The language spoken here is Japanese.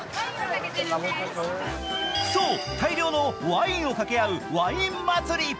そう、大量のワインをかけあうワイン祭り。